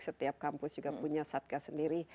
setiap kampus juga punya satgas sendiri